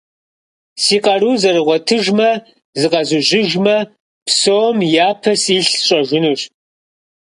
Си къару зэрыгъуэтыжмэ, зыкъэзужьыжмэ, псом япэ силъ сщӀэжынущ.